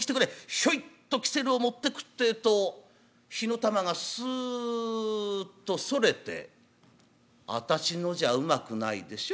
ひょいっとキセルを持ってくってえと火の玉がスッとそれて「私のじゃうまくないでしょ。